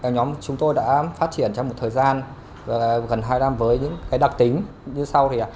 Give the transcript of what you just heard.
nhóm chúng tôi đã phát triển trong một thời gian gần hai năm với những đặc tính như sau